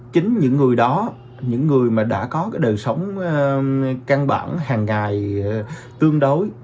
chính những người đó những người mà đã có cái đời sống căn bản hàng ngày tương đối